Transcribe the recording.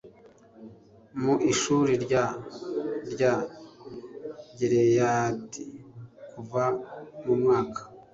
Mu ishuri rya rya gileyadi kuva mu mwaka